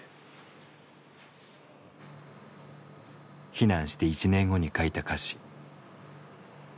避難して１年後に書いた歌詞。